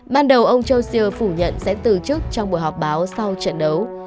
ban đầu ông geor phủ nhận sẽ từ chức trong buổi họp báo sau trận đấu